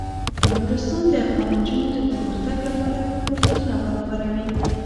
نورستان د افغان نجونو د پرمختګ لپاره ښه فرصتونه برابروي.